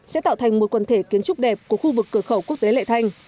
sẽ tạo thành một quần thể kiến trúc đẹp của khu vực cửa khẩu quốc tế lệ thanh